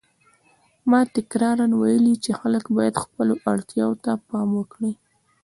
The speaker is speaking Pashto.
ما تکراراً ویلي چې خلک باید خپلو اړتیاوو ته پام وکړي.